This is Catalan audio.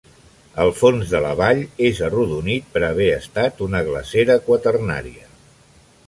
El fons de la vall és arrodonit per haver estat una glacera quaternària.